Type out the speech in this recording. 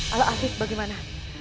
alah afid bagaimana